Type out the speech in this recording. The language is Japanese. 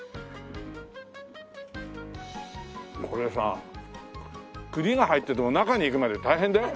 これさ栗が入ってても中にいくまで大変だよ。